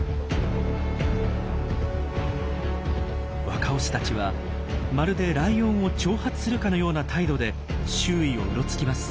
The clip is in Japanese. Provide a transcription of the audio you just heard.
若オスたちはまるでライオンを挑発するかのような態度で周囲をうろつきます。